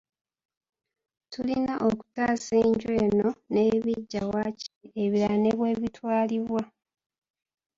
Tulina okutaasa enju eno n'ebiggya waakiri, ebirala ne bwe bitwalibwa.